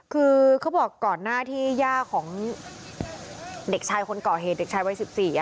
คือเขาบอกก่อนหน้าที่ย่าของเด็กชายคนก่อเหตุเด็กชายวัย๑๔